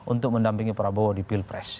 untuk mendampingi prabowo di pilpres